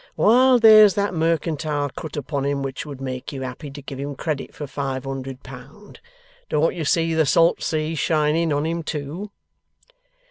While there's that mercantile cut upon him which would make you happy to give him credit for five hundred pound, don't you see the salt sea shining on him too?